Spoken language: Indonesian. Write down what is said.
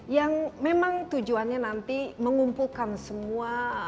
yang memang tujuannya nanti mengumpulkan semua